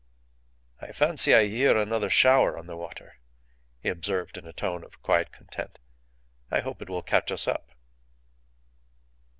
"I fancy I hear another shower on the water," he observed in a tone of quiet content. "I hope it will catch us up."